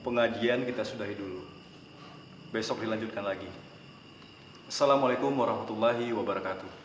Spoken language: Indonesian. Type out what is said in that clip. pengajian kita sudahi dulu besok dilanjutkan lagi assalamualaikum warahmatullahi wabarakatuh